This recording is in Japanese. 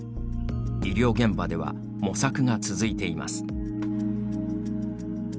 医療現場では模索が続いています。